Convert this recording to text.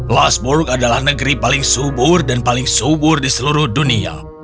lasburg adalah negeri paling subur dan paling subur di seluruh dunia